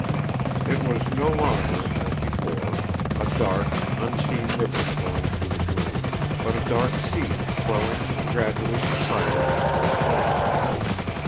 It was no longer, as before, a dark, unseen river flowing through the gloom, but a dark sea swelling and gradually subsiding after a storm.